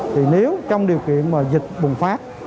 thì nếu trong điều kiện mà dịch bùng phát